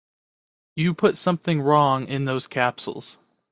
You put something wrong in those capsules.